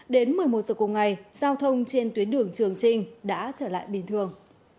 đến một mươi một giờ cùng ngày giao thông trên tuyến đường trường trinh đã trở lại bình thường